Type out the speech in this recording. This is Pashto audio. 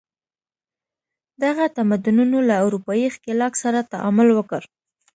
دغه تمدنونو له اروپايي ښکېلاک سره تعامل وکړ.